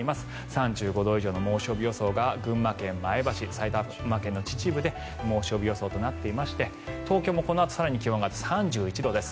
３５度以上の猛暑日予想が群馬県の前橋埼玉県の秩父で猛暑日予想となっていまして東京もこのあと更に気温が上がって３１度です。